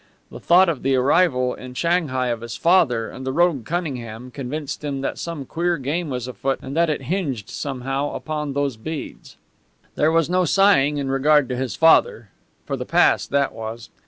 The thought of the arrival in Shanghai of his father and the rogue Cunningham convinced him that some queer game was afoot, and that it hinged somehow upon those beads. There was no sighing in regard to his father, for the past that was.